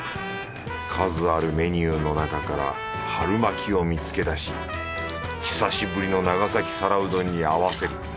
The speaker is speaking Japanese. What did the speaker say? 数あるメニューの中から春巻を見つけだし久しぶりの長崎皿うどんに合わせる。